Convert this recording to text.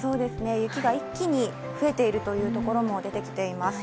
雪が一気に増えているという所も出てきています。